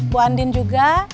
bu andin juga